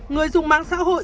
người dùng mạng xã hội